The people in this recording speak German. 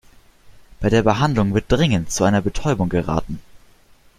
Bei der Behandlung wird dringend zu einer Betäubung geraten.